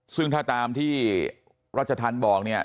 ซึ่งถ้าตามที่รัชธรรมบอกเนี่ย